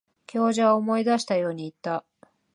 教授は思い出したように言った。